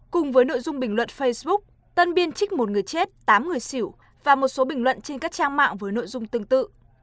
cùng với nội dung bình luận facebook tân biên trích một người chết tám người xỉu và một số bình luận trên các trang mạng với nội dung tương tự